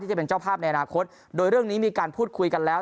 จะเป็นเจ้าภาพในอนาคตโดยเรื่องนี้มีการพูดคุยกันแล้ว